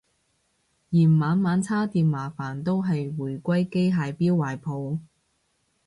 嫌晚晚叉電麻煩都係回歸機械錶懷抱